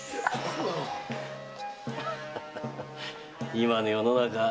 今の世の中